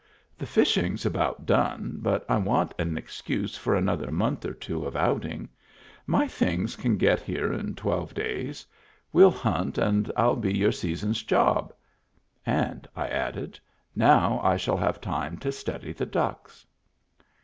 "The fishing's about done, but I want an excuse for another month or two of outing. My things can get here in twelve da3rs — we'll hunt, and 111 be your season's job. And," I added, "now I shall have time to study the ducks."